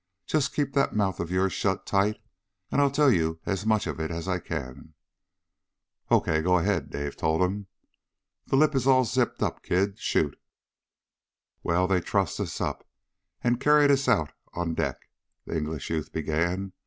"Just keep that mouth of yours shut tight, and I'll tell you as much of it as I can." "Okay, go ahead," Dave told him. "The lip is all zippered up, kid. Shoot." "Well, they trussed us up, and carried us out on deck," the English youth began.